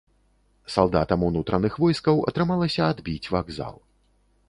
Салдатам унутраных войскаў атрымалася адбіць вакзал.